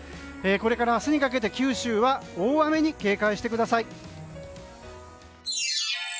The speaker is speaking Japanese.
これから明日にかけて九州は大雨に警戒をしてください。